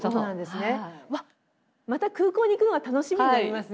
また空港に行くのが楽しみになりますね。